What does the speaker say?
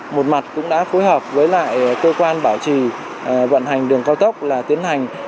một mặt cũng đã phối hợp với lại cơ quan bảo trì vận hành đường cao tốc là tiến hành